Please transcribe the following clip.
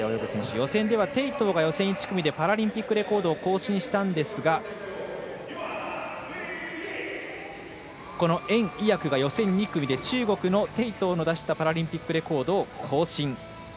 予選では鄭濤が予選１組でパラリンピックレコードを更新したんですが袁偉訳が予選２組で中国の鄭濤の出したパラリンピックレコードを更新。